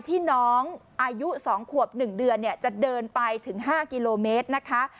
ที่น้องอายุ๒ขวบ๑เดือนจะเดินไปถึง๕กิโลเมตรนะคะ